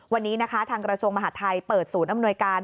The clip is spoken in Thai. วันนี้นะคะทางกระทรวงมหาทัยเปิดศูนย์อำนวยการ